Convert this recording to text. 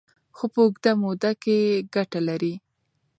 خو په اوږده موده کې ګټه لري.